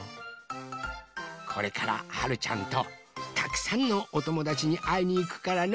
これからはるちゃんとたくさんのおともだちにあいにいくからの。